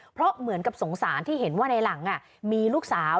เพราะเหมือนกับสงสารที่เห็นว่าในหลังมีลูกสาว